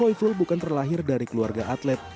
hoi fulmukhip terlahir dari keluarga atlet